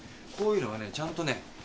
こういうのはねちゃんとね